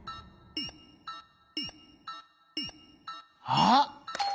あっ！